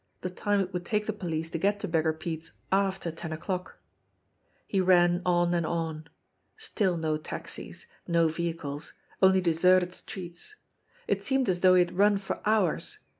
The time it would take the police to get to Beggar Pete's after ten o'clock. He ran on and on. Still no taxis, no vehicles only de serted streets. It seemed as though he had run for hours.